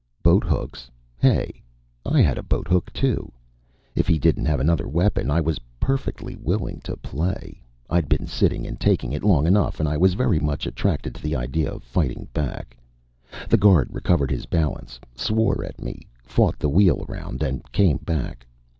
Boathooks, hey? I had a boathook too! If he didn't have another weapon, I was perfectly willing to play; I'd been sitting and taking it long enough and I was very much attracted by the idea of fighting back. The guard recovered his balance, swore at me, fought the wheel around and came back.